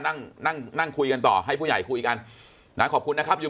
นั่งนั่งคุยกันต่อให้ผู้ใหญ่คุยกันนะขอบคุณนะครับอยู่